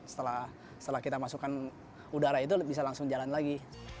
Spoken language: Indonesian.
setelah kita masukkan udara itu bisa langsung jalan lagi